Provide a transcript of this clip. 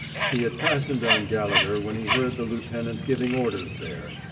He had fastened on Gallegher when he heard the lieutenant giving orders there.